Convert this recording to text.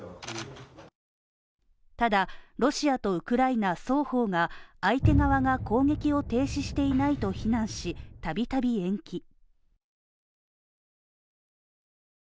ただ、ロシアとウクライナ双方が相手側が攻撃を停止していないと非難したびたび延期。